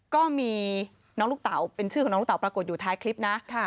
ก็มีน้องลูกเต๋าเป็นชื่อของน้องลูกเต๋าปรากฏอยู่ท้ายคลิปนะ